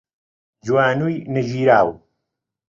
جوانووی نەگیراو